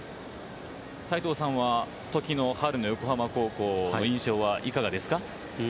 斎藤さんは時の春の横浜高校の印象はいかがですか。